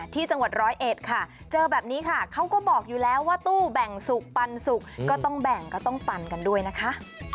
ที่จังหวัดร้อยเอ็ดค่ะเจอแบบนี้ค่ะเขาก็บอกอยู่แล้วว่าตู้แบ่งสุกปันสุกก็ต้องแบ่งก็ต้องปันกันด้วยนะคะ